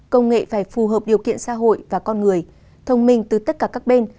công nghệ phải phù hợp điều kiện xã hội và con người thông minh từ tất cả các bên